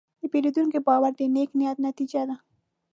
د پیرودونکي باور د نیک نیت نتیجه ده.